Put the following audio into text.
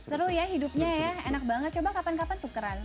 seru ya hidupnya ya enak banget coba kapan kapan tukeran